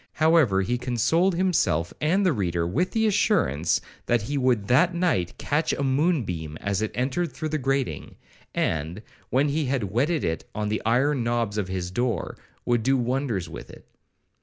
However, he consoled himself and the reader with the assurance, that he would that night catch a moon beam as it entered through the grating, and, when he had whetted it on the iron knobs of his door, would do wonders with it.